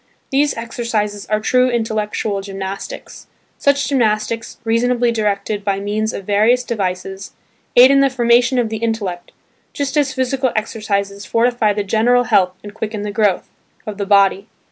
These exercises are true intellectual gymnastics. Such gymnastics, reasonably directed by means of various devices, aid in the formation of the intellect, just as physical exercises fortify the general health and quicken the growth of the body.